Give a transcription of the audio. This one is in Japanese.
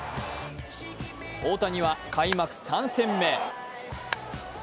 大谷は開幕３戦目。